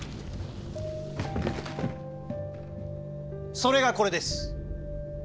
それがこれです。